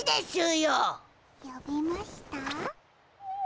よびました？